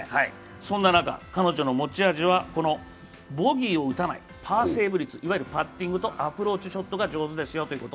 そんな中、彼女の持ち味はボギーを打たないパーセーブ率、いわゆるパッティングとアプローチショットが上手ですよということ。